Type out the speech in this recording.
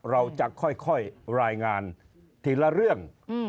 เราจะค่อยรายงานทีละเรื่อง